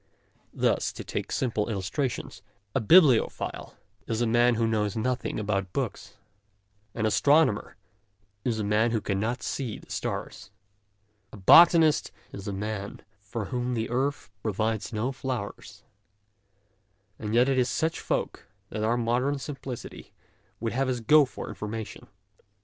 Thus, to take simple illustrations, a bibliophile is a man who knows nothing about books ; an astronomer is a man who cannot see the stars ; a botanist is a man for whom the earth pro vides no flowers ; and yet it is to such folk that our modern simplicity would have us go for information.